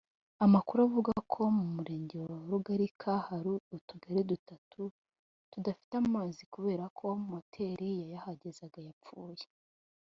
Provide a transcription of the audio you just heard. Amakuru avuga ko mu Murenge wa Rugarika hari utugari dutatu tutadafite amazi kubera ko moteri yayahagezaga yapfuye